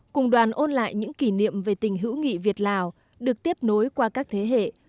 cùng đoàn ôn lại những kỷ niệm về tình hữu nghị việt lào được tiếp nối qua các thế hệ